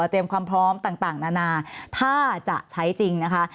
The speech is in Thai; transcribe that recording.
เตรียมความพร้อมต่างนานาถ้าจะใช้จริงนะคะ